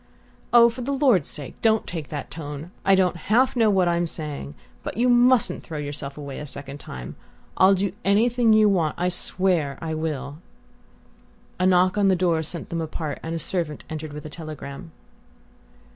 "Oh, for the Lord's sake don't take that tone! I don't half know what I'm saying...but you mustn't throw yourself away a second time. I'll do anything you want I swear I will!" A knock on the door sent them apart, and a servant entered with a telegram.